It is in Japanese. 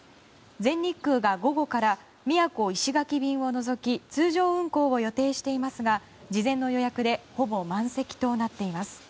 全日空が午後から宮古・石垣便を除き通常運航を予定していますが事前の予約でほぼ満席となっています。